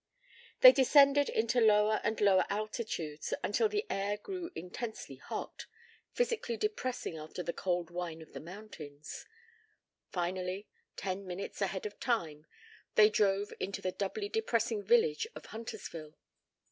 They descended into lower and lower altitudes until the air grew intensely hot, physically depressing after the cold wine of the mountains; finally, ten minutes ahead of time, they drove into the doubly depressing village of Huntersville.